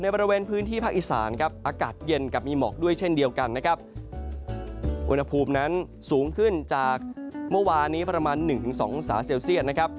เพราะฉะนั้นสูงขึ้นจากเมื่อวานนี้ประมาณ๑๒องศาเซลเซียสนะครับ